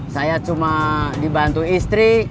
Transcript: saya cuma dibantu istri